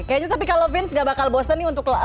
kayaknya tapi kalau vince gak bakal bosen nih untuk